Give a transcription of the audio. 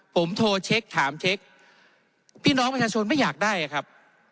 ผมโทรเช็คถามเช็คพี่น้องประชาชนไม่อยากได้ครับ